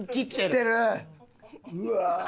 うわ。